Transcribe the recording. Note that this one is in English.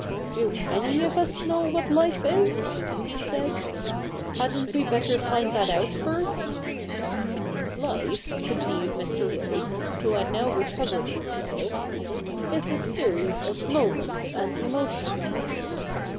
' Do any of us know what life is ?' he said. ' Hadn't we better find that out first ?'' Life,' continued Mr. Rose, who had now recovered himself, ' is a series of m.oments and emotions.'